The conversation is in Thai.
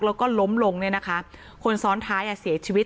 แล้วก็ล้มลงคนซ้อนท้ายเสียชีวิต